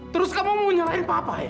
terus kamu mau nyalain papa ya